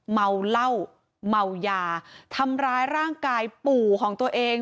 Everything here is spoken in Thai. เมาเหล้าเมายาทำร้ายร่างกายปู่ของตัวเอง